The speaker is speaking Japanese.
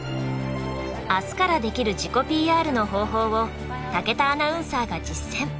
あすからできる自己ＰＲの方法を武田アナウンサーが実践。